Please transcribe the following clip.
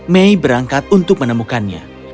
mei berangkat untuk menemukannya